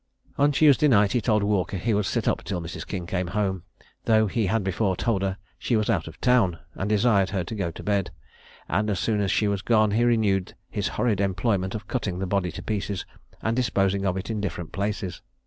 On Tuesday night he told Walker he would sit up till Mrs. King came home, though he had before told her she was out of town, and desired her to go to bed; and as soon as she was gone, he renewed his horrid employment of cutting the body to pieces, and disposing of it in different places.